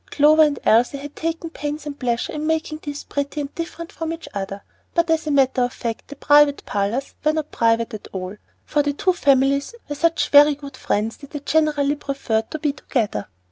Clover and Elsie had taken pains and pleasure in making these pretty and different from each other, but as a matter of fact the "private" parlors were not private at all; for the two families were such very good friends that they generally preferred to be together.